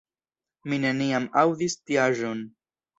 Mi neniam aŭdis tiaĵon.